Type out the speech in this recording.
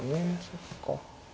そっか。